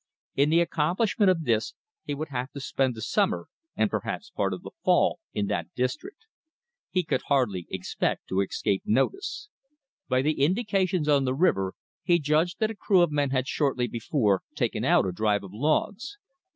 In the accomplishment of this he would have to spend the summer, and perhaps part of the fall, in that district. He could hardly expect to escape notice. By the indications on the river, he judged that a crew of men had shortly before taken out a drive of logs.